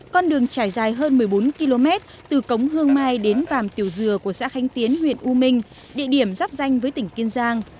con đường trải dài hơn một mươi bốn km từ cống hương mai đến vàm tiểu dừa của xã khánh tiến huyện u minh địa điểm giáp danh với tỉnh kiên giang